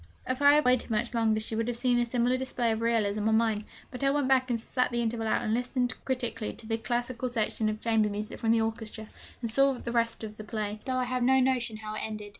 If I had waited much longer she would have seen a similar display of realism on mine. But I went back and sat the interval out, and listened critically to the classical selection of chamber music from the orchestra, and saw the rest of the play, though I have no notion how it ended.